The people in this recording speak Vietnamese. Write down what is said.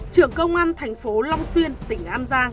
trưởng công an thành phố long xuyên tỉnh an giang